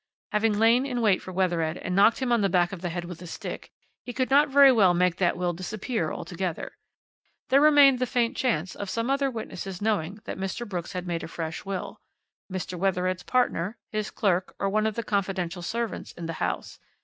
Having lain in wait for Wethered and knocked him on the back of the head with a stick, he could not very well make that will disappear altogether. There remained the faint chance of some other witnesses knowing that Mr. Brooks had made a fresh will, Mr. Wethered's partner, his clerk, or one of the confidential servants in the house.